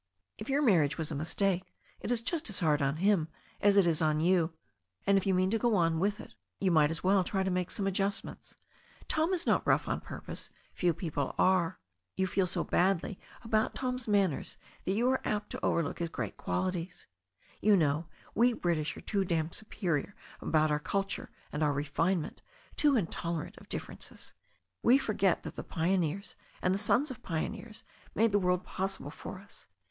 If your marriage was a mistake, it is just as hard on him as it is on you. And, if you mean to go on with it, you might as well try to make some adjustments., Tom is not rough on purpose. Few people are. You feel so badly about Tom's manners that you are apt to overlook his 202 THE STORY OF A NEW ZEALAND RIVER great qualities. You know, we British are too damned su perior about our culture and our refinement, too intolerant of differences. We forget that the pioneers and the sons of pioneers made the world possible for us.